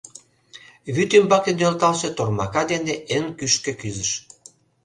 Вӱд ӱмбаке нӧлталтше тормака дене эн кӱшкӧ кӱзыш.